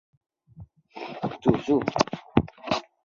伊望主教是远东地区唯一继续效忠国外圣主教公会的主教。